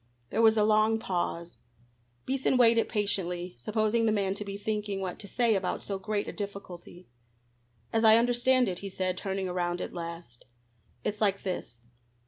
There was a long pause. Beason waited patiently, supposing the man to be thinking what to say about so great a difficulty. "As I understand it," he said, turning around at last, "it's like this.